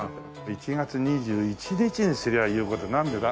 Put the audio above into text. １月２１日にすりゃ言う事ないなんでだ？